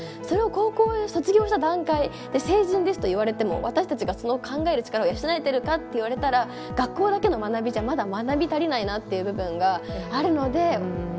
それを高校卒業した段階で「成人です」と言われても私たちがその考える力が養えてるかって言われたら学校だけの学びじゃまだ学び足りないなっていう部分があるので。